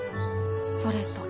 それと。